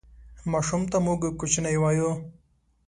ماشوم ته موږ کوچنی وایو